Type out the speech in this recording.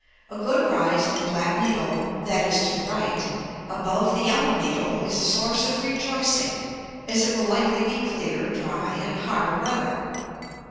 A good rise of the black needle (that is, to the right) above the yellow needle is a source of rejoicing, as it will likely be clear, dry, and hard weather.